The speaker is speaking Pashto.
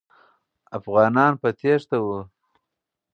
افغانان په تېښته وو.